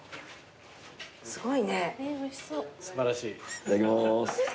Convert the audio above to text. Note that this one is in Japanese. いただきます。